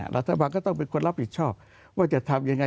รัฐบาลก็ต้องเป็นคนรับผิดชอบว่าจะทำยังไง